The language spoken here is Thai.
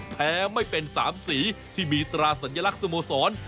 ไม่เป็น๓สีที่มีตราสัญลักษณ์สโมสร